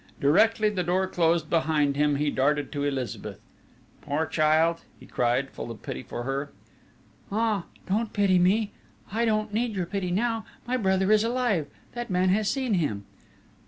Directly the door closed on him he darted to Elizabeth: "Poor child!" he cried, full of pity for her. "Ah! Don't pity me! I don't need your pity now!... My brother is alive!... That man has seen him!"